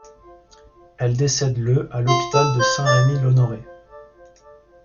Elle décède le à l'hôpital de Saint-Rémy-l'Honoré.